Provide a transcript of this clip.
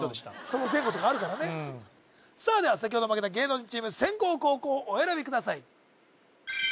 その前後とかあるからねでは先ほど負けた芸能人チーム先攻後攻お選びください